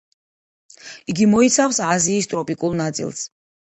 იგი მოიცავს აზიის ტროპიკულ ნაწილს.